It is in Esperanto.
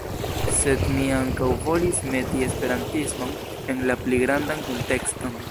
Sed mi ankaŭ volis meti esperantismon en la pli grandan kuntekston.